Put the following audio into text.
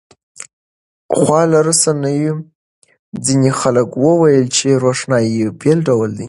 خواله رسنیو ځینې خلک وویل چې روښنايي بېل ډول ده.